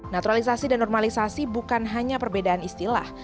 naturalisasi dan normalisasi bukan hanya perbedaan istilah